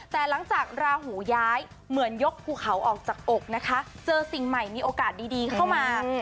แต่หลังจากราหูย้ายเหมือนยกภูเขาออกจากอกนะคะเจอสิ่งใหม่มีโอกาสดีเข้ามา